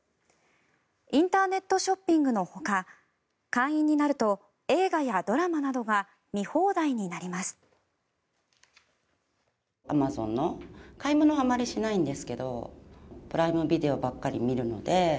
インターネットショッピングのほか会員になると映画やドラマなどが見放題になります。